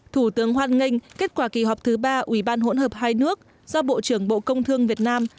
thủ tướng hoan nghênh kết quả kỳ họp thứ ba ủy ban hỗn hợp hai nước do bộ trưởng bộ công thương việt nam